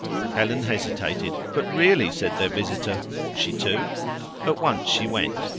Helen hesitated. "But really " said their visitor. "Ought she to?" At once she went.